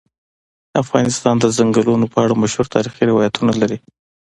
افغانستان د ځنګلونه په اړه مشهور تاریخی روایتونه لري.